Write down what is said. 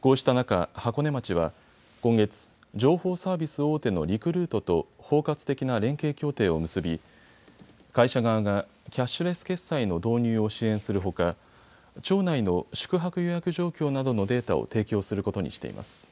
こうした中、箱根町は今月、情報サービス大手のリクルートと包括的な連携協定を結び会社側がキャッシュレス決済の導入を支援するほか町内の宿泊予約状況などのデータを提供することにしています。